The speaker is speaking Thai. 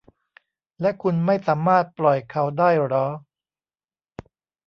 และคุณไม่สามารถปล่อยเขาได้หรอ